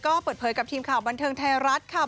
ก็เปิดเผยกับทีมข่าวบันเทิงไทยรัฐค่ะ